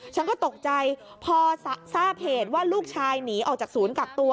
ฉันก็ตกใจพอทราบเหตุว่าลูกชายหนีออกจากศูนย์กักตัว